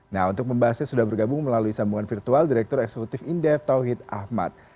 nah untuk membahasnya sudah bergabung melalui sambungan virtual direktur eksekutif indef tauhid ahmad